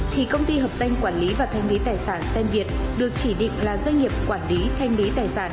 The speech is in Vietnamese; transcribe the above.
thì công ty hợp danh quản lý và thanh lý tài sản tenviet được chỉ định là doanh nghiệp quản lý thanh lý tài sản